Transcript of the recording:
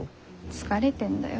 疲れてんだよ。